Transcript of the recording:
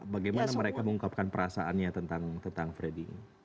bagaimana mereka mengungkapkan perasaannya tentang fredding